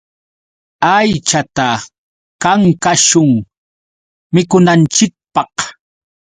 Aychata kankashun mikunanchikpaq.